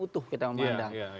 untuk kita memandang